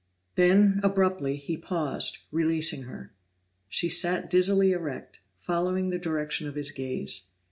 Then, abruptly, he paused, releasing her. She sat dizzily erect, following the direction of his gaze.